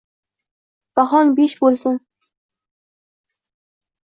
Bahong “besh” bo’lsin!